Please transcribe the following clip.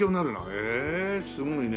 へえすごいね。